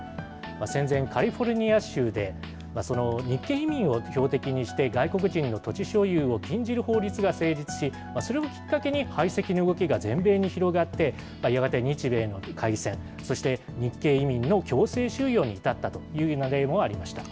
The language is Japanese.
戦前、カリフォルニア州で日系移民を標的にして、外国人の土地所有を禁じる法律が成立し、それをきっかけに排斥の動きが全米に広がって、やがて日米の開戦、そして日系移民の強制収用に至ったという例もありました。